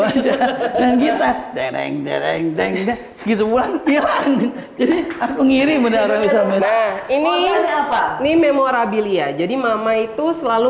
aja dan kita dereng dereng dereng gitu aku ngiri menaruh ini memora bilya jadi mama itu selalu